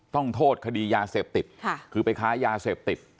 ต้องโทษคดียาเสพติดคือไปค้ายาเสพติด